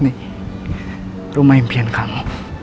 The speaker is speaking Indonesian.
nih rumah impian kamu